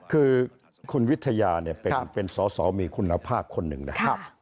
คือคุณวิทยาเป็นสาวมีคุณภาพคนหนึ่งนะครับ